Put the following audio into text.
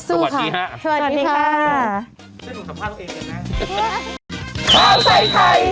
สวัสดีค่ะ